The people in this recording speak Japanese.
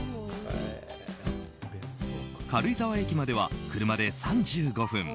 軽井沢駅までは車で３５分。